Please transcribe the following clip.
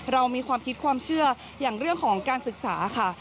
เรามีความคิดความเชื่ออย่างเรื่องของการศึกษาค่ะ